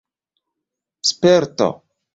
sperto